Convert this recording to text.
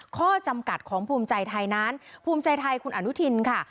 ข้อจำกัดของภูมิใจไทยนั้นภูมิใจไทยคุณอนุทินค่ะ